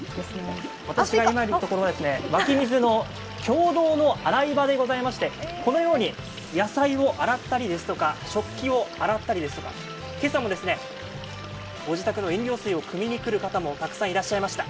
私が今いるところは、湧き水の共同の洗い場でございまして、このように、野菜を洗ったりですとか食器を洗ったりですとか今朝もご自宅の飲料水をくみに来る方もたくさんいらっしゃいました。